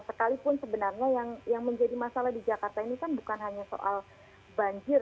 sekalipun sebenarnya yang menjadi masalah di jakarta ini kan bukan hanya soal banjir